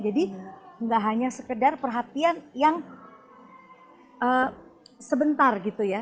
jadi gak hanya sekedar perhatian yang sebentar gitu ya